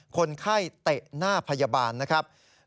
คนไข้เตะหน้าพยาบาลนะครับ